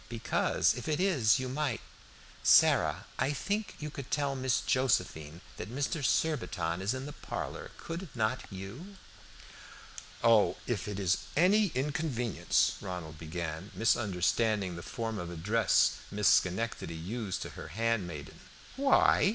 "Because if it is you might Sarah, I think you could tell Miss Josephine that Mr. Surbiton is in the parlor, could not you?" "Oh, if it is any inconvenience" Ronald began, misunderstanding the form of address Miss Schenectady used to her handmaiden. "Why?"